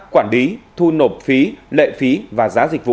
quản lý thu nộp phí lệ phí và giá dịch vụ